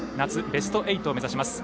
ベスト８を目指します。